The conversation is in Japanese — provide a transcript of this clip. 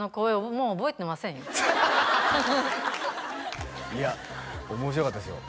もう覚えてませんよいや面白かったですよ